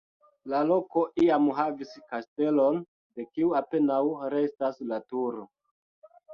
La loko, iam havis kastelon, de kiu apenaŭ restas la turo.